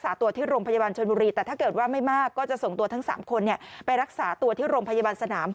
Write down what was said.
สวัสดีครับ